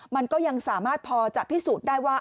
มันก็ยังสามารถพอจะพิสูจน์ได้ว่า